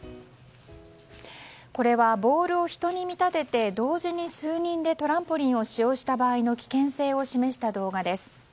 これは、ボールを人に見立てて同時に数人でトランポリンを使用した場合の危険性を示した動画です。